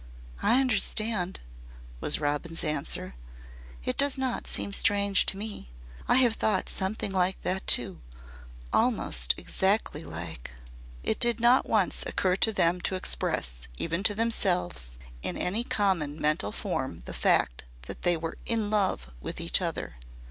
"I understand," was Robin's answer. "It does not seem strange to me. I have thought something like that too almost exactly like." It did not once occur to them to express, even to themselves, in any common mental form the fact that they were "in love" with each other.